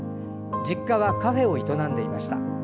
実家はカフェを営んでいました。